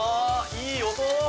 いい音！」